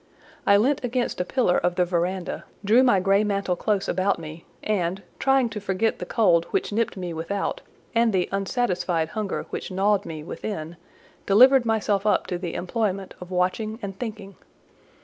I leant against a pillar of the verandah, drew my grey mantle close about me, and, trying to forget the cold which nipped me without, and the unsatisfied hunger which gnawed me within, delivered myself up to the employment of watching and thinking.